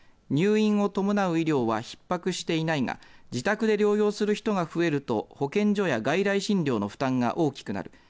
入院を伴う医療はひっ迫していないが自宅で療養する人が増えると保健所や外来診療の負担が大きくなる。